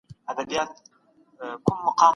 دوهم جز د ملکیت د حق په اړه بحث کوي.